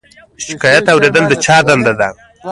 شکایت اوریدل د چا دنده ده؟